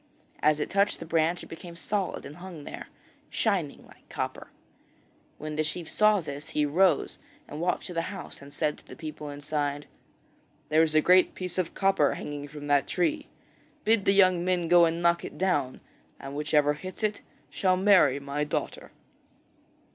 As it touched the branch it became solid and hung there, shining like copper. When the chief saw this he arose and walked to the house and said to the people inside: 'There is a great piece of copper hanging from that tree. Bid the young men go and knock it down and whichever hits it shall marry my daughter.'